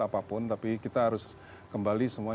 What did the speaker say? apapun tapi kita harus kembali semua